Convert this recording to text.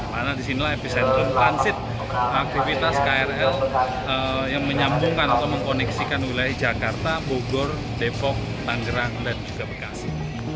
karena disinilah epicentrum transit aktivitas krl yang menyambungkan atau mengkoneksikan wilayah jakarta bogor depok tangerang dan juga bekasi